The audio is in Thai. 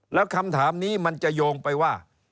แล้วคำถามนี้มันจะโยงไปว่า